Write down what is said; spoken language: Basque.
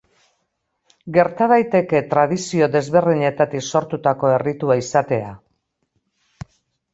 Gerta daiteke tradizio desberdinetatik sortutako erritua izatea.